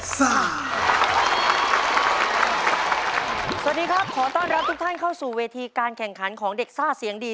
สวัสดีครับขอต้อนรับทุกท่านเข้าสู่เวทีการแข่งขันของเด็กซ่าเสียงดี